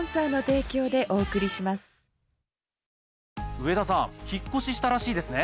上田さん引っ越ししたらしいですね？